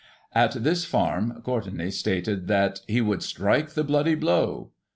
At this farm Courtenay stated that 'he would strike the bloody blow.'